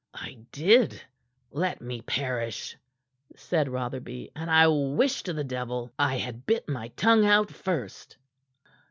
"I did, let me perish!" said Rotherby. "And I wish to the devil I had bit my tongue out first."